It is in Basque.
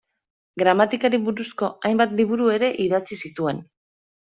Gramatikari buruzko hainbat liburu ere idatzi zituen.